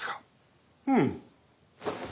うん。